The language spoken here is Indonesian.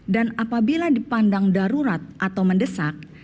dan apabila dipandang darurat atau mendesak